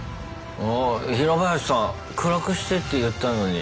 ヒラバヤシさん暗くしてって言ったのに。